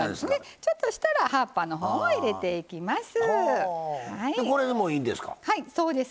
ちょっとしたら葉っぱのほうも入れていきます。